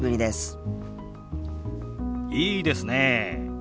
いいですねえ。